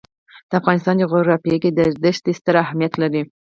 د افغانستان جغرافیه کې دښتې ستر اهمیت لري.